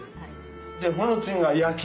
でその次が夜勤。